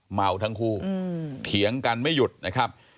เมาทั้งคู่เถียงกันไม่หยุดนะครับ